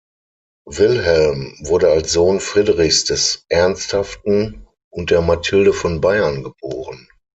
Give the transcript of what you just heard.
Wilhelm wurde als Sohn Friedrichs des Ernsthaften und der Mathilde von Bayern geboren.